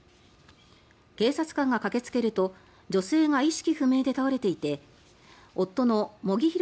警察官が駆けつけると女性が意識不明で倒れていて夫の茂木博